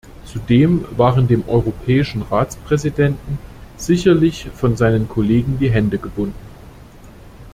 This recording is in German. Zudem waren dem europäischen Ratspräsidenten sicherlich von seinen Kollegen die Hände gebunden.